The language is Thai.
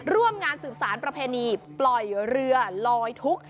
ร่วมงานสืบสารประเพณีปล่อยเรือลอยทุกข์